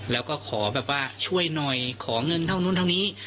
แล้วก็ขอแบบว่าช่วยหน่อยขอเงินเท่านู้นเท่านี้